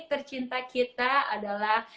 tercinta kita adalah